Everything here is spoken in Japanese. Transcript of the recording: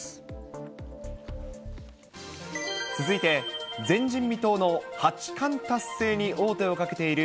続いて、前人未到の八冠達成に王手をかけている